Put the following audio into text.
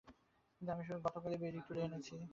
কিন্তু আমি গতকালই বেরি তুলে এনেছি।